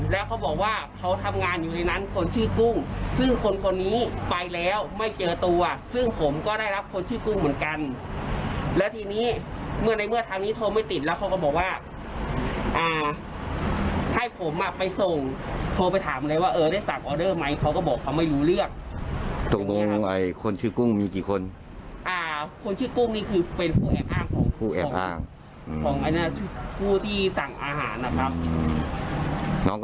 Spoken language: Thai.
ล่าสุดจำรวจสืบจนทราบว่าคนที่ก่อเหตุจริง